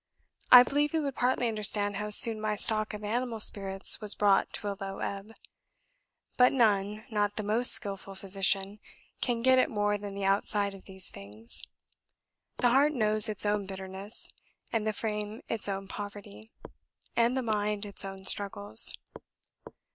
I believe he would partly understand how soon my stock of animal spirits was brought to a low ebb; but none not the most skilful physician can get at more than the outside of these things: the heart knows its own bitterness, and the frame its own poverty, and the mind its own struggles.